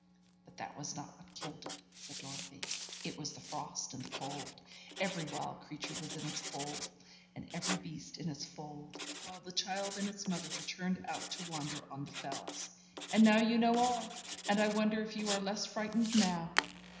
'But that was not what killed it,' said Dorothy: 'it was the frost and the cold. Every wild creature was in its hole, and every beast in its fold, while the child and its mother were turned out to wander on the Fells! And now you know all! and I wonder if you are less frightened now?'